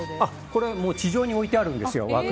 これは地上に置いてあるんですよ。